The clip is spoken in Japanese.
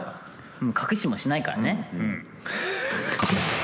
隠しもしないからね。